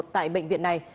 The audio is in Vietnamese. tại bệnh viện này